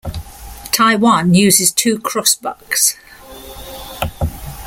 Taiwan uses two crossbucks.